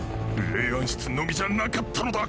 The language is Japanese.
霊安室のみじゃなかったのだ